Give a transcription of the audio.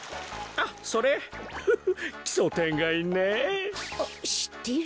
あっしってる？